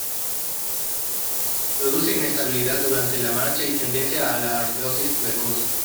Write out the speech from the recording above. Produce inestabilidad durante la marcha y tendencia a la artrosis precoz.